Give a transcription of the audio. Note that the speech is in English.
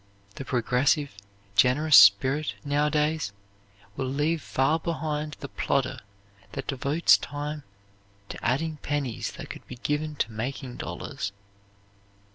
The progressive, generous spirit, nowadays, will leave far behind the plodder that devotes time to adding pennies that could be given to making dollars.